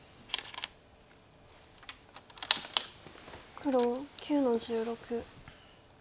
黒９の十六。